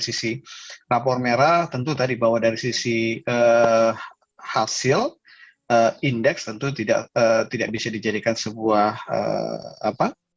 sisi rapor merah tentu tadi bahwa dari sisi hasil indeks tentu tidak tidak bisa dijadikan sebuah apa